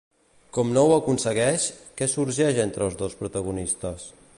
Com no ho aconsegueix, què sorgeix entre els dos protagonistes?